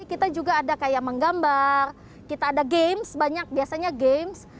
kita juga ada kayak menggambar kita ada games banyak biasanya games